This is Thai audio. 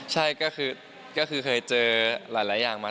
ใช่ก็คือเคยเจอหลายอย่างมา